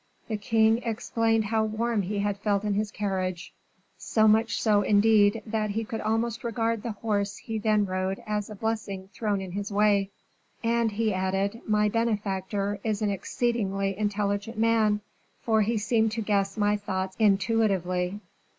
The king explained how warm he had felt in his carriage, so much so indeed that he could almost regard the horse he then rode as a blessing thrown in his way. "And," he added, "my benefactor is an exceedingly intelligent man, for he seemed to guess my thoughts intuitively.